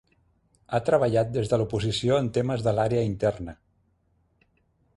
Ha treballat des de l'oposició en temes de l'Àrea Interna.